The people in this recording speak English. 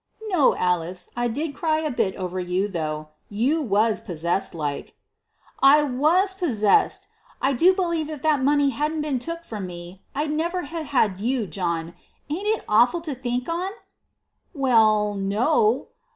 "No, Alice. I did cry a bit over you, though. You was possessed like." "I was possessed. I do believe if that money hadn't been took from me, I'd never ha' had you, John. Ain't it awful to think on?" "Well, no.